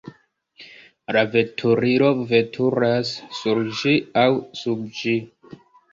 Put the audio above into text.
La veturilo veturas sur ĝi aŭ sub ĝi.